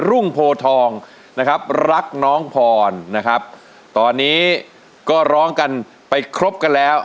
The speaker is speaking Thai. รุ่งโพทองนะครับรักน้องพรนะครับตอนนี้ก็ร้องกันไปครบกันแล้ว